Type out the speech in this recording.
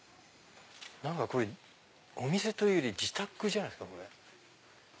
これお店というより自宅じゃないですか？